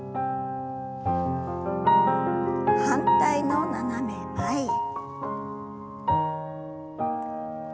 反対の斜め前へ。